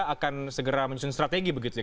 akan segera menyusun strategi begitu ya